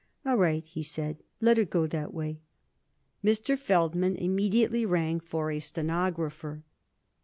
"All right," he said. "Let her go that way." Mr. Feldman immediately rang for a stenographer.